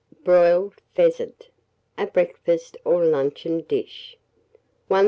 BROILED PHEASANT (a Breakfast or Luncheon Dish). 1043.